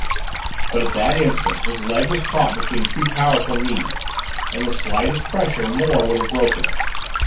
But at that instant his leg was caught between two powerful knees, and the slightest pressure more would have broken it.